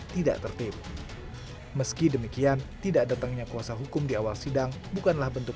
tidak tertib meski demikian tidak datangnya kuasa hukum di awal sidang bukanlah bentuk